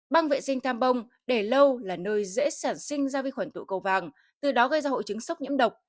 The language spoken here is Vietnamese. băng vệ sinh tham bông để lâu là nơi dễ sản sinh ra vi khuẩn tụ cầu vàng từ đó gây ra hội chứng sốc nhiễm độc